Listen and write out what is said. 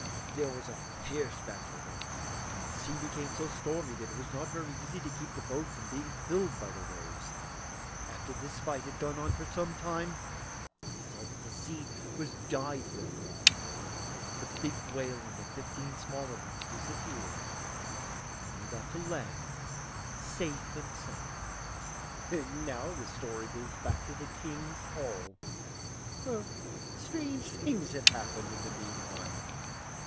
There was a fierce battle then, and the sea became so stormy that it was not very easy to keep the boat from being filled by the waves. After this fight had gone on for some time, they saw that the sea was dyed with blood; the big whale and the fifteen smaller ones disappeared, and they got to land safe and sound. Now the story goes back to the King's hall, where strange things had happened in the meantime.